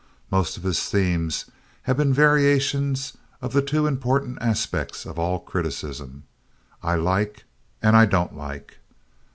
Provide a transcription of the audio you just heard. Most of his themes have been variations of the two important aspects of all criticism, "I like" and "I don't like."